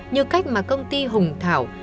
như cách mà công ty hùng thảo